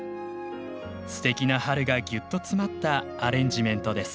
すてきな春がぎゅっと詰まったアレンジメントです。